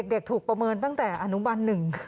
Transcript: เด็กถูกประเมินตั้งแต่อนุบัน๑